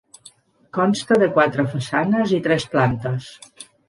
Consta de quatre façanes i tres plantes.